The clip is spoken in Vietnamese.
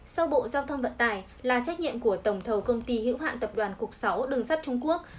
sau bộ giao thông vận tải là trách nhiệm của tổng thầu công ty hữu hạn tập đoàn cục sáu đường sắt trung quốc